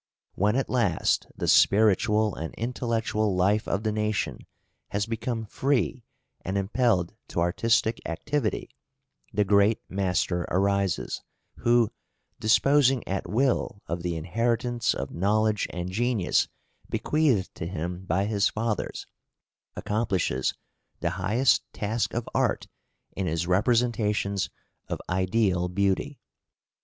When at last the spiritual and intellectual life of the nation has become free and impelled to artistic activity, the great master arises, who, disposing at will of the inheritance of knowledge and genius bequeathed to him by his fathers, accomplishes the highest task of art in his representations of ideal beauty.